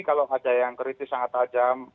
kalau ada yang kritis sangat tajam